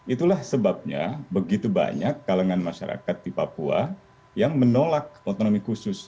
itulah sebabnya begitu banyak kalangan masyarakat di papua yang menolak otonomi khusus